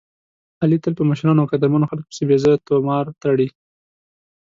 علي تل په مشرانو او قدرمنو خلکو پسې بې ځایه طومار تړي.